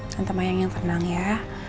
santa mayang yang tenang ya